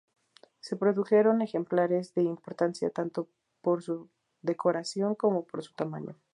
Se produjeron ejemplares de importancia tanto por su decoración como por su tamaño.